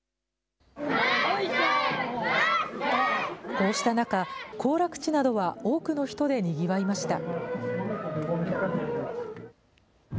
こうした中、行楽地などは多くの人でにぎわいました。